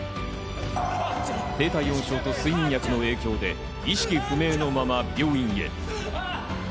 低体温症と睡眠薬の影響で意識不明のまま病院へ。